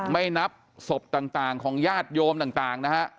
ไม่นับศพต่างของญาติโยมต่างนะฮะ